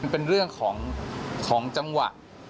เป็นเรื่องของจังหวะ